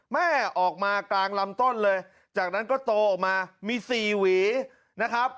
แม่ออกมากลางลำต้นเลยจากนั้นก็โตออกมามี๔หวีนะครับ